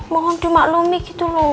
bocong di maklumi gitu loh